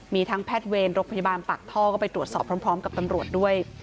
มีทั้งแพทย์เวรโรงพยาบาลปากท่อก็ไปตรวจสอบพร้อมกับตำรวจด้วย